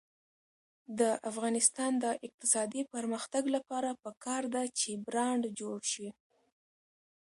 د افغانستان د اقتصادي پرمختګ لپاره پکار ده چې برانډ جوړ شي.